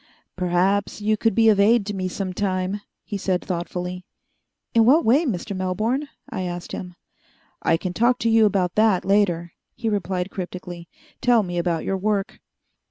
"Perhaps you could be of aid to me some time," he said thoughtfully. "In what way, Mr. Melbourne?" I asked him. "I can talk to you about that later," he replied cryptically. "Tell me about your work."